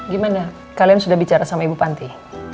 gimana kalian sudah bicara sama ibu panti